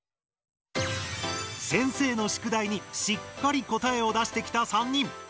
先生の宿題にしっかり答えを出してきた３人。